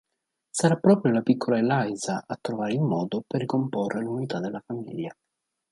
Sarà proprio la piccola Eliza a trovare il modo per ricomporre l'unità della famiglia.